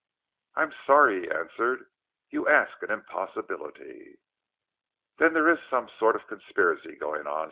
"I am sorry," he answered. "You ask an impossibility." "Then there is some sort of conspiracy going on?"